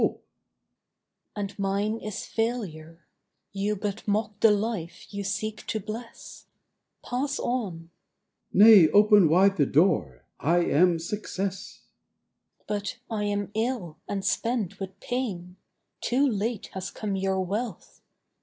MORTAL: 'And mine is Failure; you but mock the life you seek to bless. Pass on.' THE NEW YEAR: 'Nay, open wide the door; I am Success.' MORTAL: 'But I am ill and spent with pain; too late has come your wealth.